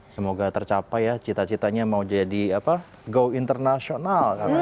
semoga tercapai ya cita citanya mau jadi go internasional